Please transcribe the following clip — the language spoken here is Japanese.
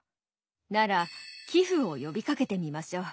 なら寄付を呼びかけてみましょう。